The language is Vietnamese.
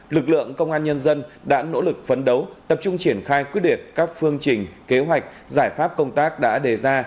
lực lượng công an nhân dân đã nỗ lực phấn đấu tập trung triển khai quyết liệt các phương trình kế hoạch giải pháp công tác đã đề ra